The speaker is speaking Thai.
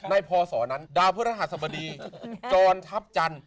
ในพอสอนั้นดาวพิธรภัสดีจรทัพจันทร